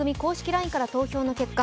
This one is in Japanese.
ＬＩＮＥから投票の結果